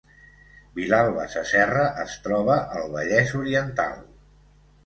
Vilalba Sasserra es troba al Vallès Oriental